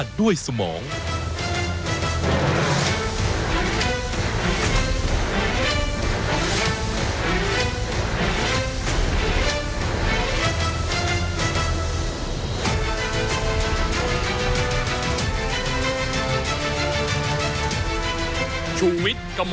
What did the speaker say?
สวัสดีค่ะคุณผู้ชมชูเวทตีแสงหน้าค่ะ